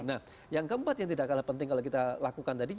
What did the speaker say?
nah yang keempat yang tidak kalah penting kalau kita lakukan tadi